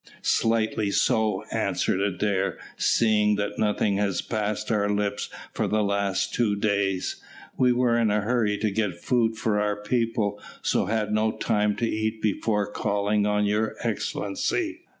"Slightly so," answered Adair, "seeing that nothing has passed our lips for the last two days. We were in a hurry to get food for our people, so had no time to eat before calling on your Excellency."